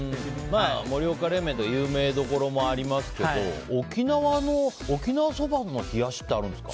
盛岡冷麺とか有名どころもありますけど沖縄の沖縄そばの冷やしってあるんですか。